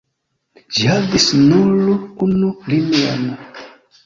Ĝi havis nur unu linion.